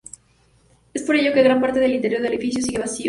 Es por ello que gran parte del interior del edificio sigue vacío.